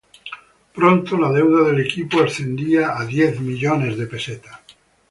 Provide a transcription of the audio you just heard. Pronto la deuda del equipo ascendía a diez millones de pesetas.